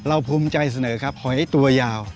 ภูมิใจเสนอครับหอยตัวยาว